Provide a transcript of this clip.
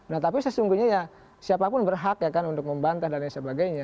nah tapi sesungguhnya ya siapa pun berhak ya kan untuk membantah dan sebagainya